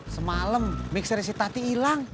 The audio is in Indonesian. semalam mixer si tati hilang